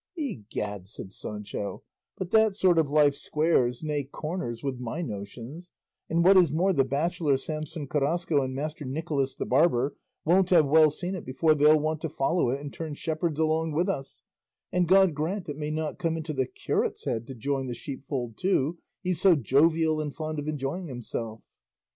"Egad," said Sancho, "but that sort of life squares, nay corners, with my notions; and what is more the bachelor Samson Carrasco and Master Nicholas the barber won't have well seen it before they'll want to follow it and turn shepherds along with us; and God grant it may not come into the curate's head to join the sheepfold too, he's so jovial and fond of enjoying himself."